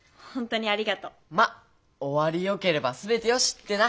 まあ「終わりよければ全てよし」ってな。